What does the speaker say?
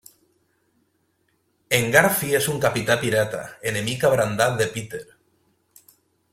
En Garfi és un capità pirata, enemic abrandat de Peter.